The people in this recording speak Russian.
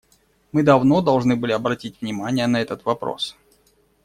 Мы давно должны были обратить внимание на этот вопрос.